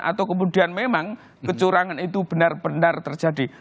atau kemudian memang kecurangan itu benar benar terjadi